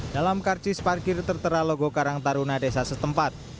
dalam karcis parkir tertera logo karang taruna desa setempat